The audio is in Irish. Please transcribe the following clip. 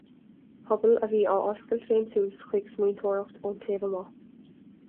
Pobal a bhí á oscailt féin suas chuig smaointeoireacht ón taobh amuigh.